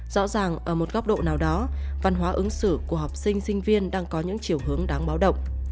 rõ ràng ở một góc độ nào đó văn hóa ứng xử của học sinh sinh viên đang có những chiều hướng đáng báo động